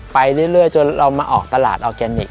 ไปเรื่อยจนเรามาออกตลาดออร์แกนิค